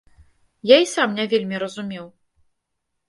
Я і сам не вельмі разумеў.